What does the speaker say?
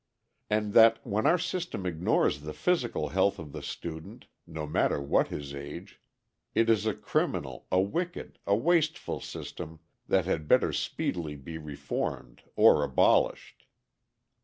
And that, when our system ignores the physical health of the student, no matter what his age, it is a criminal, a wicked, a wasteful system that had better speedily be reformed or abolished.